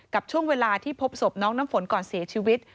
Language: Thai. กับช่วงเวลาที่พบศพน้องน้ำฝนก่อนเสียชีวิต